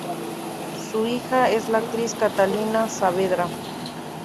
Su hija es la actriz Catalina Saavedra.